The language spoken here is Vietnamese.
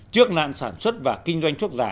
trước nạn sản xuất và kinh doanh thuốc giả